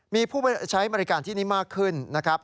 มีผู้ใช้บริการที่นี่มากขึ้นนะครับ